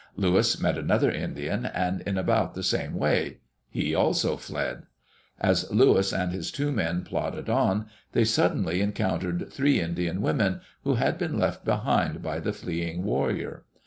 Lewis met another Indian, and in about the same way. He also fled. As Lewis and his two men plodded on they suddenly encountered three Indian women, who had been left behind by the fleeing warrior.